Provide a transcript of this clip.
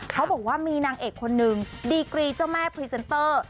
เขาบอกว่ามีนางเอกคนนึงดีกรีเจ้าแม่พรีเซนเตอร์